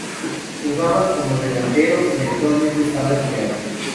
Jugaba como delantero y actualmente está retirado.